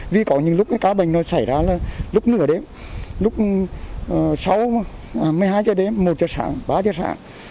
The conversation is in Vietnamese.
vì có những lúc cái cá bệnh nó xảy ra là lúc nửa đêm lúc sáu một mươi hai giờ đêm một giờ sáng ba giờ sáng